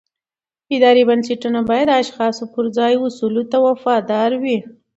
اداري بنسټونه باید د اشخاصو پر ځای اصولو ته وفادار وي